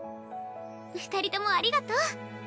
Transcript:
二人ともありがとう！